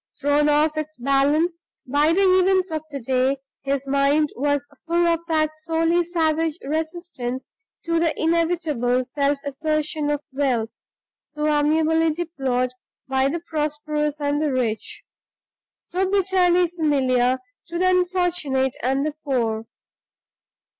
Thrown off its balance by the events of the day, his mind was full of that sourly savage resistance to the inevitable self assertion of wealth, so amiably deplored by the prosperous and the rich; so bitterly familiar to the unfortunate and the poor.